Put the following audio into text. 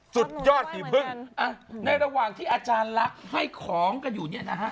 สุดยอดฝีพึ่งในระหว่างที่อาจารย์ลักษณ์ให้ของกันอยู่เนี่ยนะฮะ